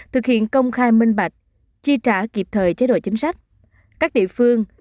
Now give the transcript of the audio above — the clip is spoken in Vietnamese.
thực hiện công khai minh bạch chi trả kịp thời chế đội chính sách